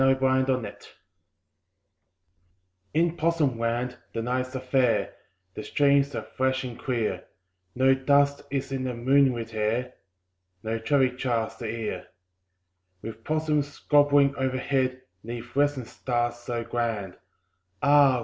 IN POSSUM LAND In Possum Land the nights are fair, The streams are fresh and clear; No dust is in the moonlit air, No traffic jars the ear. With possums gambolling overhead, 'Neath western stars so grand, Ah!